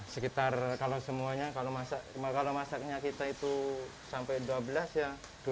sekitar kalau semuanya kalau masaknya kita itu sampai dua belas ya dua ribu empat ratus